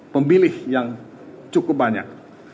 pemilih yang cukup banyak